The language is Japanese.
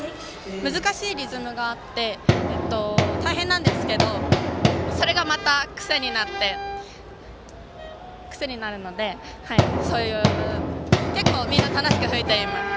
難しいリズムがあって大変なんですけどそれがまた癖になるので結構みんな楽しく吹いています。